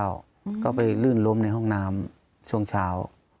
ก็ไปลื่นล้มในห้องน้ำช่วงเช้า